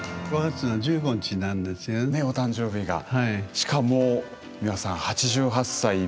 しかも美輪さん８８歳米寿。